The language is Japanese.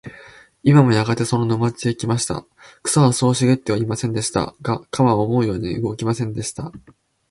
イワンはやがてその沼地へ来ました。草はそう茂ってはいませんでした。が、鎌は思うように動きませんでした。